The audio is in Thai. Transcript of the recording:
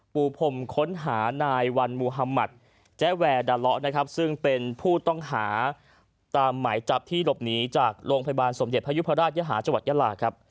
ปูพรมค้นหานายวันมุธมัติแจ๊แวร์ดาเลาะนะครับซึ่งเป็นผู้ต้องหาตามหมายจับที่หลบหนีจากโรงพยาบาลสมเด็จพยุพราชยหาจังหวัดยาลาครับ